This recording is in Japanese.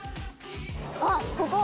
あっここ。